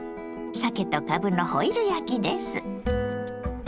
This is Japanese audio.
さけとかぶのホイル焼きです。